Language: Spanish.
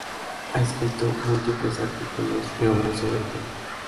Ha escrito múltiples artículos y obras sobre el tema.